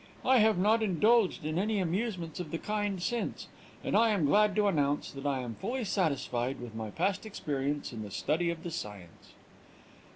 I have not indulged in any amusements of the kind since, and I am glad to announce that I am fully satisfied with my past experience in the study of the science."